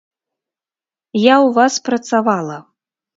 Я ў вас працавала.